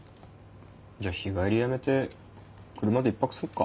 じゃ日帰りやめて車で１泊すっか。